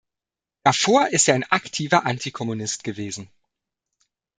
Davor ist er ein aktiver Antikommunist gewesen.